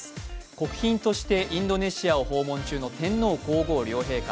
国賓としてインドネシアを訪問中の天皇皇后両陛下。